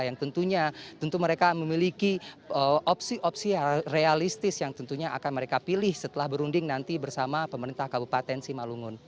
yang tentunya tentu mereka memiliki opsi opsi realistis yang tentunya akan mereka pilih setelah berunding nanti bersama pemerintah kabupaten simalungun